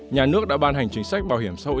nhà nước đã ban hành chính sách bảo hiểm xã hội